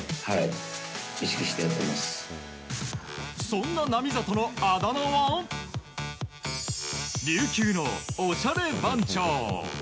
そんな並里のあだ名は琉球のおしゃれ番長。